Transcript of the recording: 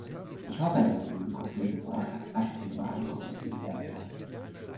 Ich hoffe, dass über diesen konkreten Vorschlag rasch eine Übereinkunft erzielt werden kann.